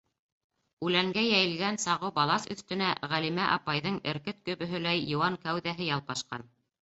Үләнгә йәйелгән сағыу балаҫ өҫтөнә Ғәлимә апайҙың эркет гөбөһөләй йыуан кәүҙәһе ялпашҡан.